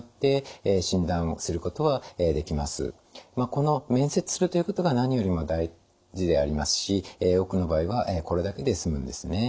この面接するということが何よりも大事でありますし多くの場合はこれだけで済むんですね。